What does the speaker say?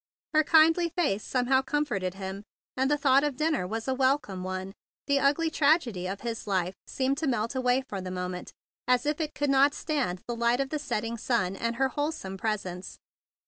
Her kindly face somehow comforted him, and the thought of dinner was a welcome one. The ugly tragedy of his life seemed to melt awav for the mo ment, as if it could not stand the light of the setting sun and her wholesome presence.